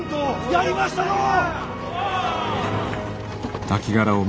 やりましたのう！